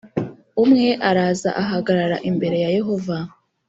umwe araza ahagarara imbere ya yehova